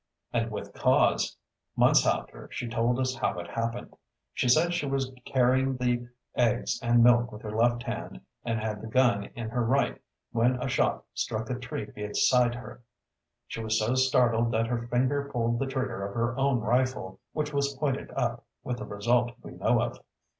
And with cause. Months after she told us how it happened. She said she was carrying the eggs and milk with her left hand and had the gun in her right, when a shot struck a tree beside her. She was so startled that her finger pulled the trigger of her own rifle, which was pointed up, with the result we know of.